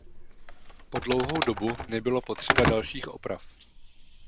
Po dlouhou dobu nebylo potřeba dalších oprav.